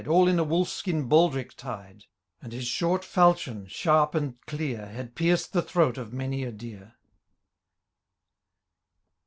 All in a wolf skin baldric tied ; And his short fidchion, sharp and clear. Had pierced the throat of many a deer.